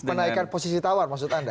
menaikkan posisi tawar maksud anda